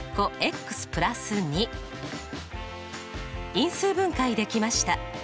因数分解できました。